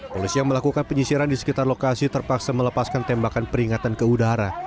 polisi yang melakukan penyisiran di sekitar lokasi terpaksa melepaskan tembakan peringatan ke udara